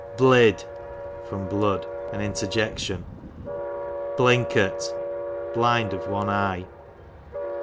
Blid,/rom blood; an interjection. Blinkert, blind of one eye.